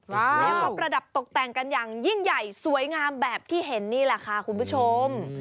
แล้วก็ประดับตกแต่งกันอย่างยิ่งใหญ่สวยงามแบบที่เห็นนี่แหละค่ะคุณผู้ชม